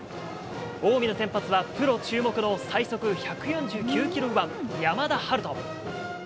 近江の先発はプロ注目の最速１４９キロ右腕、山田陽翔。